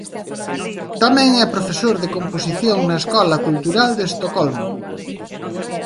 Tamén é profesor de composición na Escola Cultural de Estocolmo.